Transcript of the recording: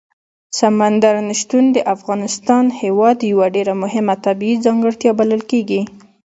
سمندر نه شتون د افغانستان هېواد یوه ډېره مهمه طبیعي ځانګړتیا بلل کېږي.